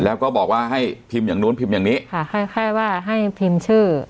แล้วก็บอกว่าให้พิมพ์อย่างนู้นพิมพ์อย่างนี้ค่ะคล้ายว่าให้พิมพ์ชื่อ